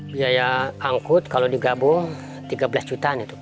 biaya angkut kalau digabung rp tiga belas